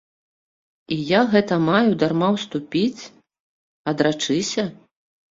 І я гэта маю дарма ўступіць, адрачыся?